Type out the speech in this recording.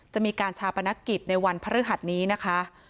จะมีการชาปนกิจในวันพฤหัสนี้นะคะ